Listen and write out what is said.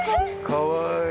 かわいい。